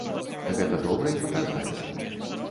Гэта добра і паказальна.